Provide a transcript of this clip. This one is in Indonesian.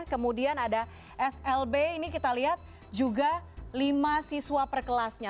kemudian ada slb ini kita lihat juga lima siswa per kelasnya